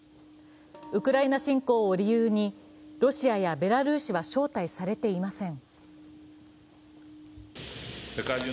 ウクライナ侵攻を理由にロシアやベラルーシは招待されていません。